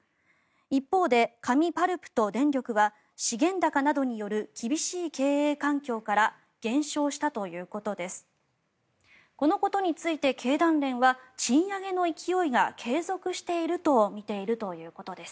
一方で紙・パルプと電力は資源高による厳しい経営環境から減少したということです。